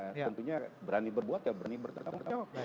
tentunya berani berbuat ya berani bertanggung jawab